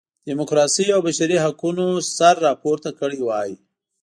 ډیموکراسۍ او بشري حقونو سر راپورته کړی وای.